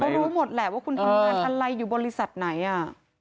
เขารู้หมดแหละว่าคุณทำงานอะไรอยู่บริษัทไหนอ่ะ